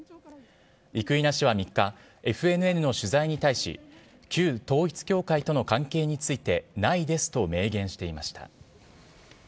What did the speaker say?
生稲氏は３日ＦＮＮの取材に対し旧統一教会との関係についてないですと明言していました。